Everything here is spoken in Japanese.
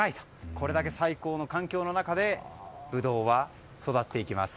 これだけ最高の環境の中でブドウは育っていきます。